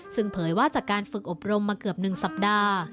ซึ่งเผยว่าจากการฝึกอบรมมาเกือบ๑สัปดาห์